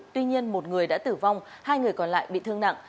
tuy nhiên một người đã tử vong hai người còn lại bị thương nặng